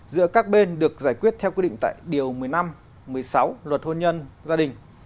giữa các bên được giải quyết theo quy định tại điều một mươi năm một mươi sáu luật hôn nhân gia đình